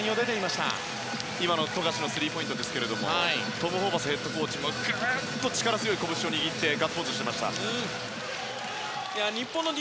今の富樫のスリーポイントですがトム・ホーバスヘッドコーチも力強いこぶしを握ってガッツポーズしていました。